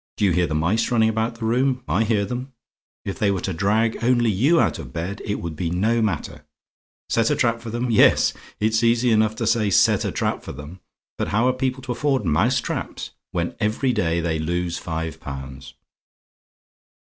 "Do you hear the mice running about the room? I hear them. If they were to drag only you out of bed, it would be no matter. SET A TRAP FOR THEM! Yes, it's easy enough to say set a trap for 'em. But how are people to afford mouse traps, when every day they lose five pounds?